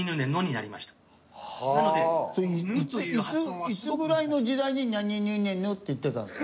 それいついつぐらいの時代に「にゃににゅねにょ」って言ってたんですか？